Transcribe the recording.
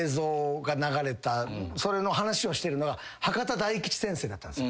それの話をしてるのが博多大吉先生だったんですよ。